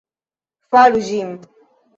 Faru ĝin